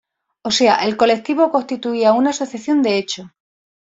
O sea, el colectivo constituía una asociación de hecho.